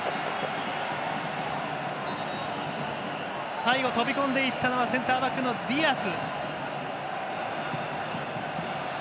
最後、飛び込んでいったのはセンターバックのディアス。